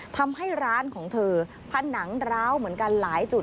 ทำให้ร้านของเธอผนังร้าวเหมือนกันหลายจุด